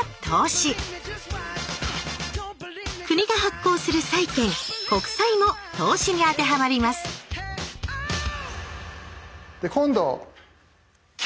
国が発行する債券「国債」も投資に当てはまります今度金。